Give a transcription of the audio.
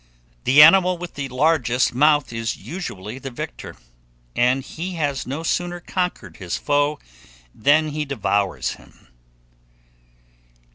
The animal with the largest mouth is usually the victor; and he has no sooner conquered his foe than he devours him.